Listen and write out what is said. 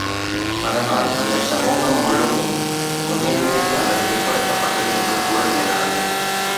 அதனால் அந்தச் சமூகம் முழுதும் முன்னேறியது அல்லது பிற்படுத்தப்பட்டது என்று கூற இயலாது.